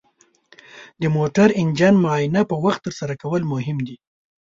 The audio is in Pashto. د موټر انجن معاینه په وخت ترسره کول مهم دي.